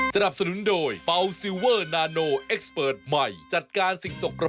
ช่วงหน้าเดี๋ยวมาเล่าให้ฟังค่ะ